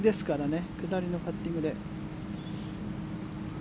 下りのパッティングで。